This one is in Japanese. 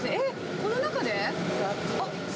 この中で？